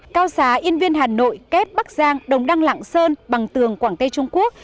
cao xá yên viên hà nội kép bắc giang đồng đăng lạng sơn bằng tường quảng tây trung quốc